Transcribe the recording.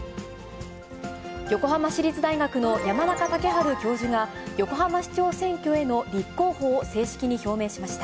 横浜市立大学の山中竹春教授が、横浜市長選挙への立候補を正式に表明しました。